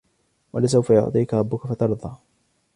وَلَسَوْفَ يُعْطِيكَ رَبُّكَ فَتَرْضَى